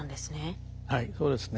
はいそうですね。